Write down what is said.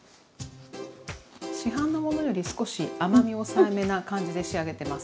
市販のものより少し甘み抑えめな感じで仕上げてます。